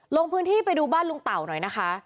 ลงพื้นที่ไปดูบ้านลุงเต่าหน่อยนะคะ